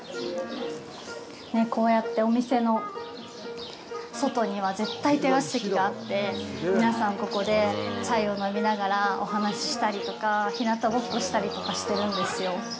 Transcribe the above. こうやってお店の外には絶対、テラス席があって、皆さん、ここでチャイを飲みながらお話ししたりとか、ひなたぼっこしたりとかしてるんですよ。